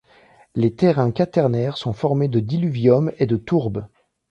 Les terrains quaternaires sont formés de diluvium et de tourbe.